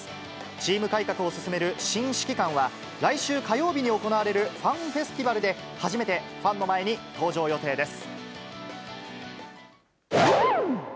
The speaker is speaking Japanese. チーム改革を進める新指揮官は、来週火曜日に行われるファンフェスティバルで、初めてファンの前に登場予定です。